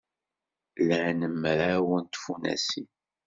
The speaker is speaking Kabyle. Lan mraw n tfunasin.